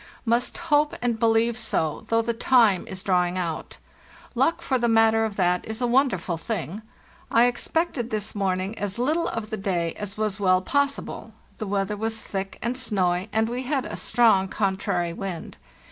Must hope and believe so, though the time is drawing out. Luck, for the matter of that, is a wonderful thing. I expected this morning as little of the day as was well possible; the weather was thick and snowy, and we had a strong contrary wind.